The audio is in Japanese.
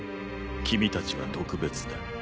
君たちは特別だ。